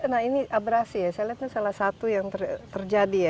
nah ini abrasi ya saya lihat ini salah satu yang terjadi ya